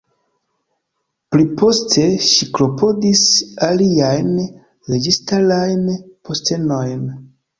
Pliposte, ŝi klopodis aliajn registarajn postenojn.